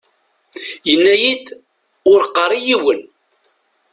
Yenna-iyi-d: Ur qqar i yiwen.